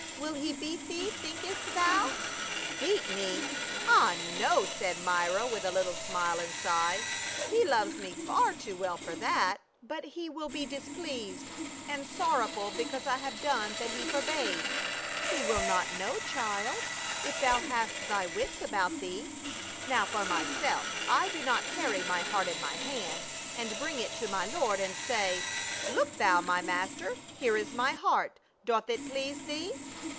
Will he beat thee, thinkest thou ?"" Beat mc ! Ah, no," said Myra, with a little smile and sigh ; "he loves me far too well for that, but he A FORBIDDEN VISIT. 81 will be displeased and sorrowful because I have done that he forbade." " He will not know, child, if thou hast thy wits about thee. Now for myself I do not carry my heart in my hand, and bring it to my lord and say, ' Look thou, my master, here is my heart, doth it please thee